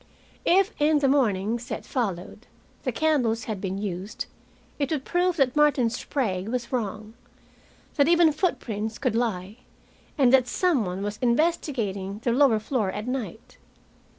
If, in the mornings that followed, the candles had been used, it would prove that Martin Sprague was wrong, that even foot prints could lie, and that some one was investigating the lower floor at night.